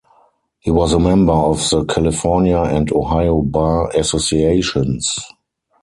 He was a member of the California and Ohio Bar Associations.